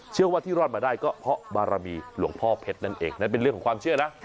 เชื่อว่าที่รอดมาได้ก็เพราะบารมีหลวงพ่อเพชรนั่นเองนั่นเป็นเรื่องของความเชื่อนะ